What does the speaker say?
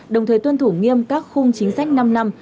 đồng thời tuân thủ nghiêm các khung chính sách năm năm